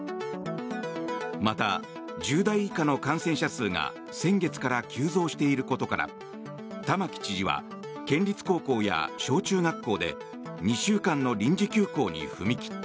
また、１０代以下の感染者数が先月から急増していることから玉城知事は県立高校や小中学校で２週間の臨時休校に踏み切った。